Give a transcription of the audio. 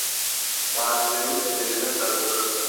Macide’nin ellerine sarıldı.